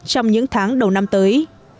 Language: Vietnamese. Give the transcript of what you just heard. trong những tháng đầu năm tới